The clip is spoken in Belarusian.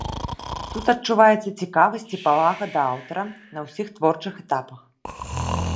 Тут адчуваецца цікавасць і павага да аўтара на ўсіх творчых этапах.